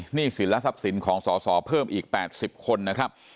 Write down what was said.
หนี้สินและทรัพย์สินของสอสอเพิ่มอีก๘๐คนนะครับ